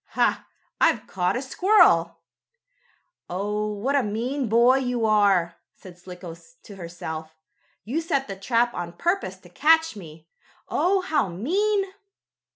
Ha! I've caught a squirrel." "Oh, what a mean boy you are!" said Slicko to herself. "You set the trap on purpose to catch me! Oh, how mean!"